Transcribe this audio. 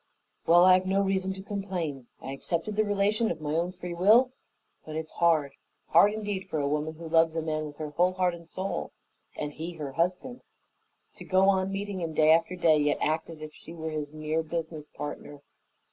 Well, I've no reason to complain; I accepted the relation of my own free will, but it's hard, hard indeed for a woman who loves a man with her whole heart and soul and he her husband to go on meeting him day after day, yet act as if she were his mere business partner.